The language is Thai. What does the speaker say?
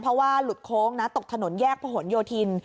เพราะว่าหลุดโค้งนะตกถนนแยกผนโยธิน